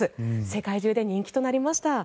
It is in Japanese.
世界中で人気となりました。